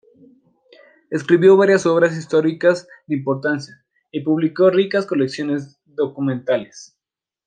Escribió varias obras históricas de importancia y publicó ricas colecciones documentales.